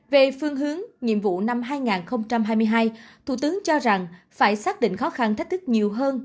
về phương hướng nhiệm vụ năm hai nghìn hai mươi hai thủ tướng cho rằng phải xác định khó khăn thách thức nhiều hơn